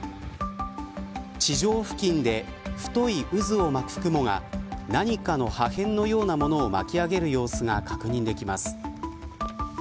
地上付近で太い渦を巻く雲が何かの破片のようなものを巻き上げる様子が確認できます。